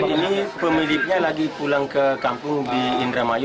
ini pemiliknya lagi pulang ke kampung di indramayu